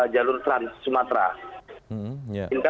jalur kelanj sumatera